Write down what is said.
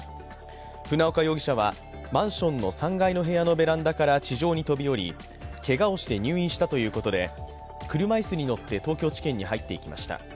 船岡容疑者はマンションの３階の部屋のベランダから地上に飛び降りけがをして入院したということで車椅子に乗って東京地検に入っていきました。